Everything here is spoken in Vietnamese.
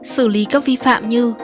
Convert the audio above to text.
xử lý các vi phạm như